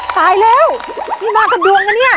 ตายแล้วนี่มากับดวงนะเนี่ย